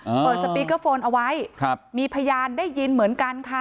เปิดสปีกเกอร์โฟนเอาไว้ครับมีพยานได้ยินเหมือนกันค่ะ